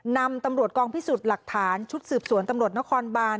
นำตำรวจกองพิสูจน์หลักฐานชุดสืบสวนตำรวจนครบาน